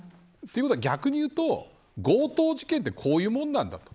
逆にいうと強盗事件ってこういうものなんだと。